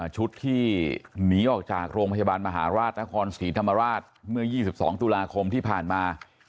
ชุดที่หนีออกจากโรงพยาบาลมหาราชนครศรีธรรมราชเมื่อ๒๒ตุลาคมที่ผ่านมา